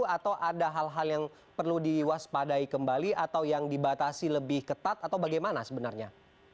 atau ada hal hal yang perlu diwaspadai kembali atau yang dibatasi lebih ketat atau bagaimana sebenarnya